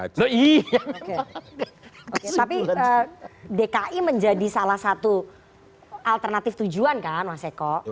tapi dki menjadi salah satu alternatif tujuan kan mas eko